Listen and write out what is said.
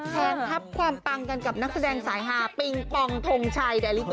แฟนทัพความตังกันกับนักแสดงสายฮาปิงปองธงชัยดายลิตุ๊กตี้